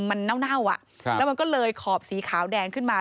มันเน่าอ่ะแล้วมันก็เลยขอบสีขาวแดงขึ้นมา